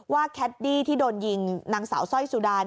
แคดดี้ที่โดนยิงนางสาวสร้อยสุดา